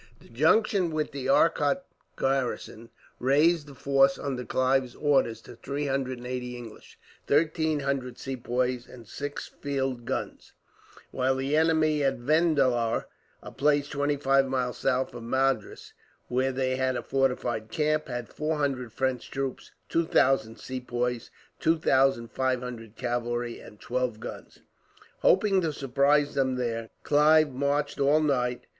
The junction with the Arcot garrison raised the force under Clive's orders to three hundred and eighty English, thirteen hundred Sepoys, and six field guns, while the enemy at Vendalur, a place twenty five miles south of Madras, where they had a fortified camp, had four hundred French troops, two thousand Sepoys, two thousand five hundred cavalry, and twelve guns. Hoping to surprise them there, Clive marched all night.